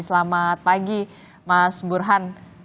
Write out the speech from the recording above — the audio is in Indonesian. selamat pagi mas burhan